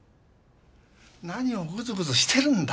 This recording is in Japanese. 何をグズグズしてるんだ。